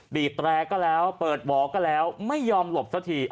แตรก็แล้วเปิดหวอก็แล้วไม่ยอมหลบสักที